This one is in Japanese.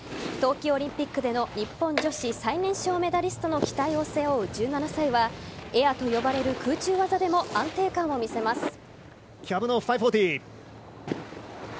冬季オリンピックでの日本女子最年少メダリストの期待を背負う１７歳はエアと呼ばれる空中技でも安定感を見せます。